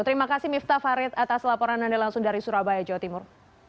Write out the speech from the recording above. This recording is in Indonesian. terima kasih miftah farid atas laporan anda langsung dari surabaya jawa timur